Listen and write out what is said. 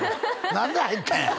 何で入ったんや！